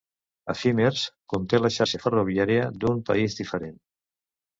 Efímers" conté la xarxa ferroviària d'un país diferent.